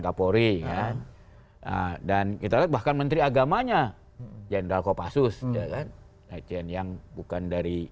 kapolri dan kita bahkan menteri agamanya jendral kopassus jangan agen yang bukan dari